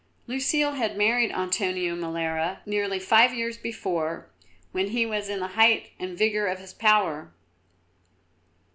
Lucile had married Antonio Molara nearly five years before, when he was in the height and vigour of his power.